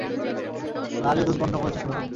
লালী দুধ বন্ধ করেছে শুনলাম?